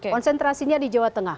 konsentrasinya di jawa tengah